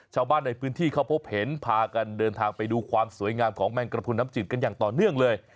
ชาวบ้านในพื้นที่เขาพบเห็นพากันเดินทางไปดูความสวยงามของแมงกระพุนน้ำจืดกันอย่างต่อเนื่องเลย